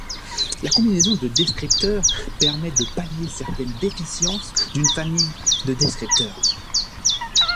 La combinaison de descripteurs permet de pallier certaines déficiences d'une famille de descripteurs.